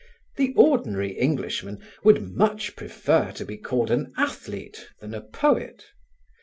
The ordinary Englishman would much prefer to be called an athlete than a poet.